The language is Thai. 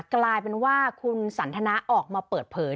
กลายเป็นว่าคุณสันทนาออกมาเปิดเผย